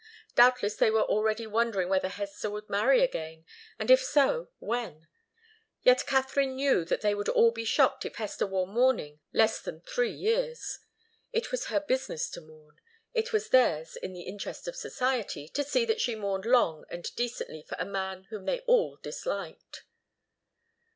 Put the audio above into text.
Doubtless they were already wondering whether Hester would marry again, and if so, when. Yet Katharine knew that they would all be shocked if Hester wore mourning less than three years. It was her business to mourn; it was theirs, in the interest of society, to see that she mourned long and decently for a man whom they had all disliked.